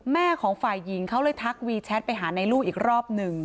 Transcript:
แม่ของฝ่ายหญิงเขาเลยทักวีแชทไปหาในลูกอีกรอบหนึ่ง